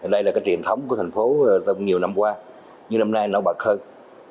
đây là truyền thống của thành phố nhiều năm qua nhưng năm nay nó bậc hơn